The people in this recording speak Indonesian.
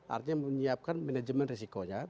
artinya menyiapkan manajemen resikonya